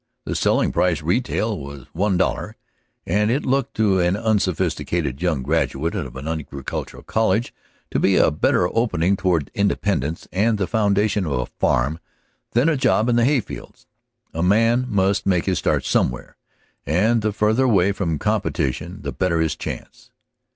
The selling price, retail, was one dollar, and it looked to an unsophisticated young graduate of an agricultural college to be a better opening toward independence and the foundation of a farm than a job in the hay fields. A man must make his start somewhere, and the farther away from competition the better his chance.